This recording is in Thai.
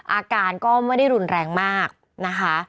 อาการก็ไม่ได้รุนแรงมากนะคะ